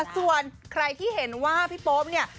ส่วนใครที่เห็นว่าพี่โป๊ปเนี่ย